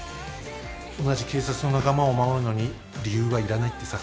同じ警察の仲間を守るのに理由はいらないってさ。